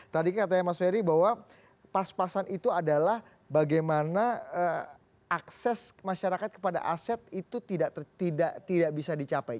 tadi katanya mas ferry bahwa pas pasan itu adalah bagaimana akses masyarakat kepada aset itu tidak bisa dicapai